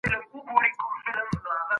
عامو خلګو په سياسي چارو کي ونډه واخيستله.